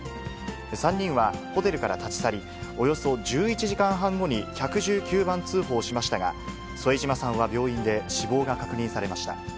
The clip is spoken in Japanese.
３人はホテルから立ち去り、およそ１１時間半後に１１９番通報しましたが、添島さんは病院で死亡が確認されました。